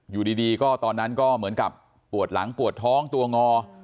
อยู่ดีก็ตอนนั้นก็เหมือนกับปวดหลังปวดท้องตัวงอ